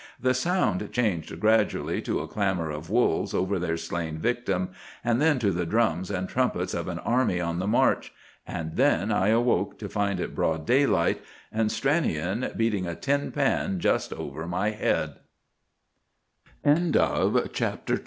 The sound changed gradually to a clamor of wolves over their slain victim, and then to the drums and trumpets of an army on the march; and then I awoke to find it broad daylight, and Stranion beating a tin pan just